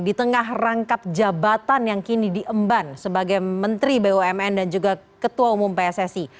di tengah rangkap jabatan yang kini diemban sebagai menteri bumn dan juga ketua umum pssi